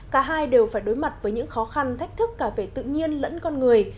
cả hai đều phải đối mặt với những khó khăn thách thức cả về tự nhiên lẫn con người